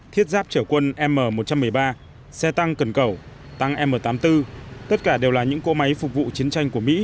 thiết giáp trở quân m một trăm một mươi ba xe tăng cần cầu tăng m tám mươi bốn tất cả đều là những cỗ máy phục vụ chiến tranh của mỹ